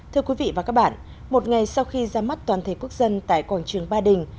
thưa quý vị và các bạn một ngày sau khi ra mắt toàn thể quốc dân tại quảng trường ba đình